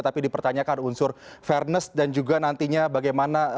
tapi dipertanyakan unsur fairness dan juga nantinya bagaimana